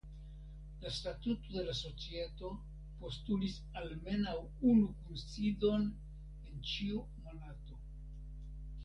La statuto de la societo postulis almenaŭ unu kunsidon en ĉiu monato.